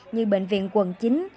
như bệnh viện quận chín